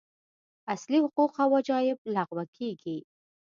اصلي حقوق او وجایب لغوه کېږي.